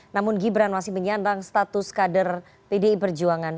namun gibran masih menyandang status kader pdi perjuangan